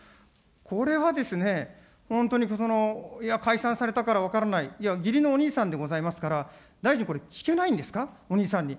これはですね、本当に解散されたから分からない、いや、義理のお兄さんでございますから、大臣これ、聞けないんですか、お兄さんに。